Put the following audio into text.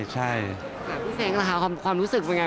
พี่เซ็งค่ะความรู้สึกเป็นอย่างไร